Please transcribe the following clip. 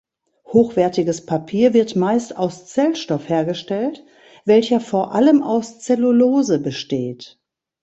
Hochwertiges Papier wird meist aus Zellstoff hergestellt, welcher vor allem aus Cellulose besteht.